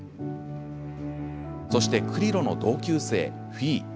そして、クリロの同級生フィー。